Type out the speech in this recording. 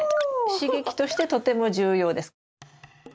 刺激としてとても重要です。